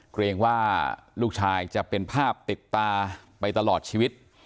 เกรงว่าลูกชายจะเป็นภาพติดตาไปตลอดชีวิต